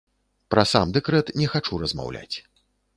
Пра сам дэкрэт не хачу размаўляць.